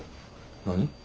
何？